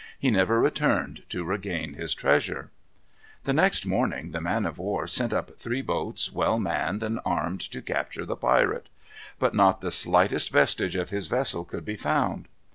He never returned to regain his treasure. The next morning the man of war sent up three boats well manned and armed to capture the pirate. But not the slightest vestige of his vessel could be found.